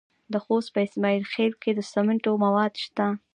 د خوست په اسماعیل خیل کې د سمنټو مواد شته.